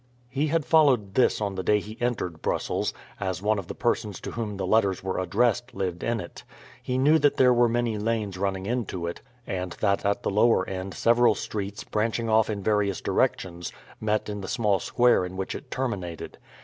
He had followed this on the day he entered Brussels, as one of the persons to whom the letters were addressed lived in it. He knew that there were many lanes running into it, and that at the lower end several streets, branching off in various directions, met in the small square in which it terminated.